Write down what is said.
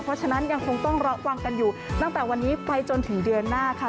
เพราะฉะนั้นยังคงต้องระวังกันอยู่ตั้งแต่วันนี้ไปจนถึงเดือนหน้าค่ะ